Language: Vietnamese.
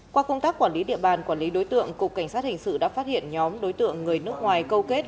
qua công tác quản lý địa bàn quản lý đối tượng cục cảnh sát hình sự đã phát hiện nhóm đối tượng người nước ngoài câu kết